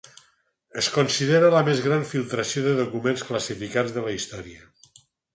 Es considera la més gran filtració de documents classificats de la història.